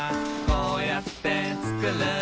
こうやってつくる」